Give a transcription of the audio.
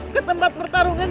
ke tempat pertarungan